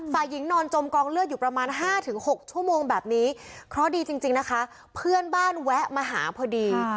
ฝ่ายหญิงนอนจมกองเลือดอยู่ประมาณ๕๖ชั่วโมงแบบนี้เคราะห์ดีจริงนะคะเพื่อนบ้านแวะมาหาพอดี